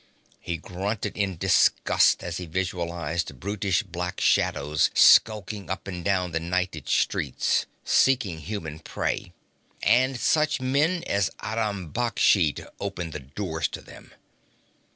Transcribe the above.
He grunted in disgust as he visualized brutish black shadows skulking up and down the nighted streets, seeking human prey and such men as Aram Baksh to open the doors to them.